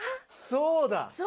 そうだ。